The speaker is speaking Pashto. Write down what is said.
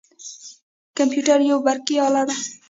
کمپیوتر یوه برقي اله ده.